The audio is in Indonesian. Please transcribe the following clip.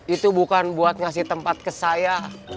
itu bukan buat ngasih tempat ke saya